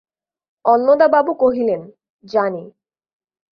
অন্নদাবাবু কহিলেন, জানি।